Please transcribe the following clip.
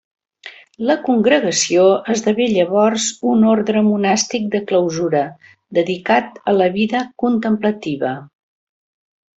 La congregació esdevé llavors un orde monàstic de clausura, dedicat a la vida contemplativa.